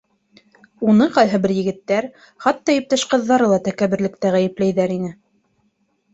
Уны ҡайһы бер егеттәр, хатта иптәш ҡыҙҙары ла тәкәбберлектә ғәйепләйҙәр ине.